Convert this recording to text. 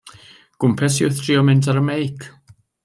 Gwmpes i wrth drio mynd ar 'y meic.